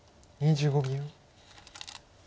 ２５秒。